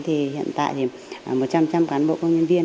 hiện tại một trăm linh một trăm linh quán bộ công nhân viên